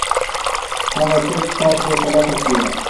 هغه څه چې تاسې یې په لټه کې یاست